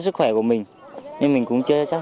sức khỏe của mình nên mình cũng chưa chắc